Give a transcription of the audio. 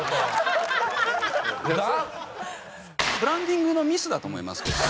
ブランディングのミスだと思いますけどね。